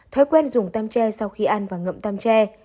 thói quen dùng tem tre sau khi ăn và ngậm tam tre